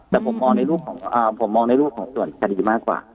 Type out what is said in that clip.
แต่ผมมองในรูปของผมมองในรูปของส่วนคดีมากกว่า